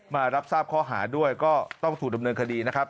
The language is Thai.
มารับทราบข้อหาด้วยก็ต้องถูกดำเนินคดีนะครับ